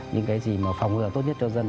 những cái gì mà phòng ngừa tốt nhất cho dân